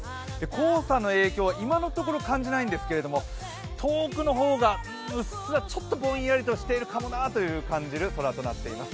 黄砂の影響は今のところ感じないんですけれど遠くの方がうっすら、ちょっとぼんやりとしているかもなと感じる空となっています。